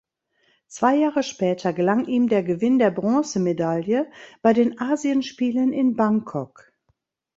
Zwei Jahre später gelang ihm der Gewinn der Bronzemedaille bei den Asienspielen in Bangkok.